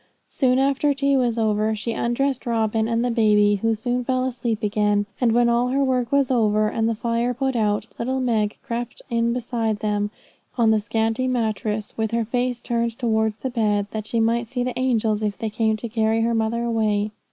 Soon after tea was over she undressed Robin and the baby, who soon fell asleep again; and when all her work was over, and the fire put out, little Meg crept in beside them on the scanty mattress, with her face turned towards the bed, that she might see the angels if they came to carry her mother away.